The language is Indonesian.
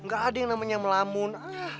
gak ada yang namanya melamun